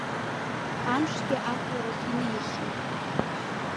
Амшгьы ахәларахь инеихьан.